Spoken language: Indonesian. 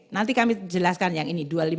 nanti kami jelaskan yang ini dua ratus lima puluh